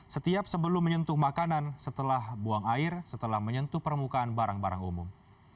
setiap sebelum menyentuh makanan setelah buang air setelah menyentuh permukaan barang barang umum